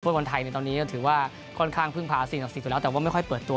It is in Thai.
บนวันไทยในตอนนี้ถือว่าค่อนข้างพึ่งพา๔๔ตัวแล้วแต่ว่าไม่ค่อยเปิดตัว